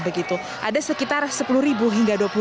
begitu ada sekitar sepuluh hingga dua puluh